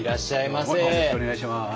よろしくお願いします。